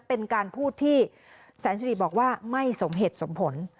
เป็นการพูดที่แสนสิริบอกว่าไม่สมเหตุสมผล